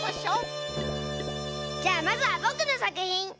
じゃあまずはぼくのさくひん。